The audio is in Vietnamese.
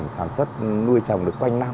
sản xuất nuôi trồng được quanh năm